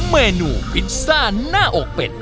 เมนูพิซซ่าหน้าอกเป็ด